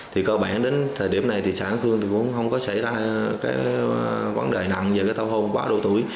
thì cơ bản đến thời điểm này thì xã an khương thì cũng không có xảy ra cái vấn đề nặng về cái tàu hôn quá độ tuổi